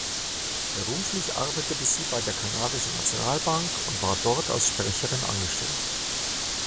Beruflich arbeitete sie bei der kanadischen Nationalbank und war dort als Sprecherin angestellt.